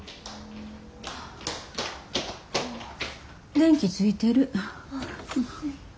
・電気ついてる。